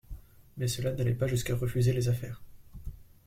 Mais cela n'allait pas jusqu'à refuser les affaires.